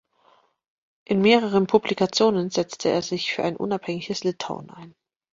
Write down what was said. In mehreren Publikationen setzte er sich für ein unabhängiges Litauen ein.